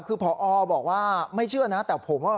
แล้วก็เรียกเพื่อนมาอีก๓ลำ